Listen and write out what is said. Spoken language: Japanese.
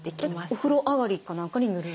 お風呂上がりか何かに塗る？